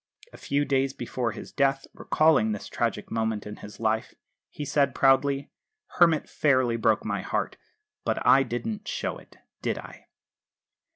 A few days before his death, recalling this tragic moment in his life, he said proudly, "Hermit fairly broke my heart. But I didn't show it, did I?"